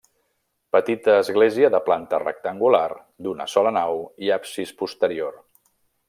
Petita església de planta rectangular, d'una sola nau i absis posterior.